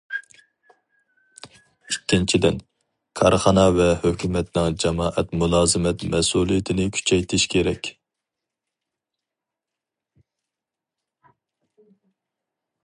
ئىككىنچىدىن، كارخانا ۋە ھۆكۈمەتنىڭ جامائەت مۇلازىمەت مەسئۇلىيىتىنى كۈچەيتىش كېرەك.